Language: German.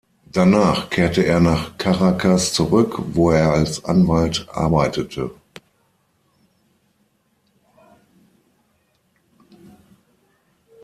Danach kehrte er nach Caracas zurück, wo er als Anwalt arbeitete.